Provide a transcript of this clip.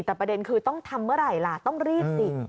แต่ประเด็นคือต้องทำเมื่อไหร่ล่ะต้องรีบสิ